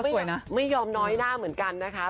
สวยนะไม่ยอมน้อยหน้าเหมือนกันนะคะ